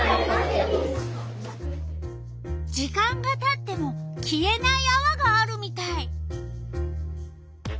時間がたっても消えないあわがあるみたい。